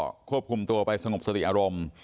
ก็ควบคุมตัวไปสงบสติอารมณ์